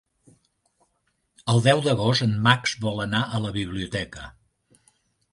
El deu d'agost en Max vol anar a la biblioteca.